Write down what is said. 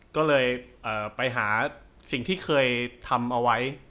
ก็เลยไปหาสิ่งที่เคยทำเอาไว้